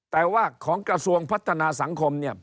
แต่ว่าของกระทรวงพัฒนาสังคมเนี่ย